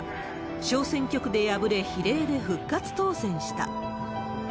小選挙区で敗れ比例で復活当選した。